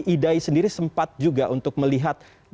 idai sendiri sempat juga untuk melihat